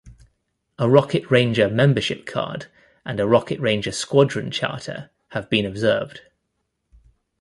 A Rocket Ranger membership card and a Rocket Ranger Squadron Charter have been observed.